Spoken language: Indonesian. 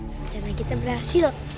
sancana kita berhasil